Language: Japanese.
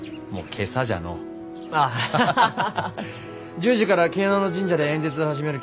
１０時から昨日の神社で演説を始めるき。